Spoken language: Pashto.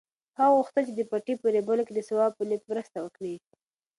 هغه غوښتل چې د پټي په رېبلو کې د ثواب په نیت مرسته وکړي.